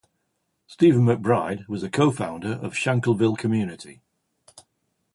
Stephen McBride was a co-founder of Shankleville Community.